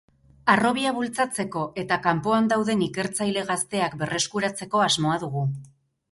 Harrobia bultzatzeko eta kanpoan dauden ikertzaile gazteak berreskuratzeko asmoa dugu.